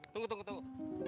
tunggu tunggu tunggu